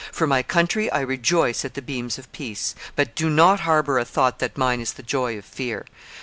For my country, I rejoice at the beams of peace. But do not harbour a thought that mine is the joy of fear.